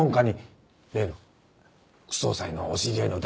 例の副総裁のお知り合いの大学教授に。